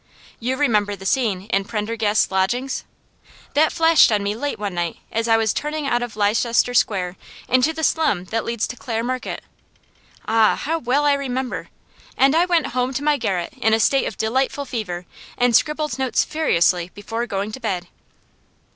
You remember the scene in Prendergast's lodgings? That flashed on me late one night as I was turning out of Leicester Square into the slum that leads to Clare Market; ah, how well I remember! And I went home to my garret in a state of delightful fever, and scribbled notes furiously before going to bed.